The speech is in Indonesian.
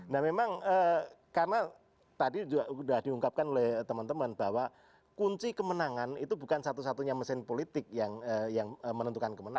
nah memang karena tadi sudah diungkapkan oleh teman teman bahwa kunci kemenangan itu bukan satu satunya mesin politik yang menentukan kemenangan